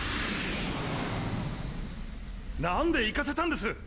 なんで行かせたんです